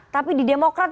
tapi di demokrat